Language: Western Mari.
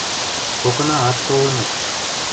Токынаат толыныт.